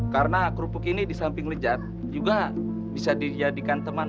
karena kerupuk ini di samping lejat juga bisa dijadikan teman